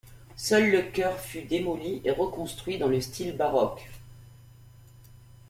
Seul le chœur fut démoli et reconstruit dans le style baroque.